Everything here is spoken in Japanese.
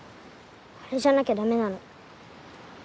あれじゃなきゃ駄目なの。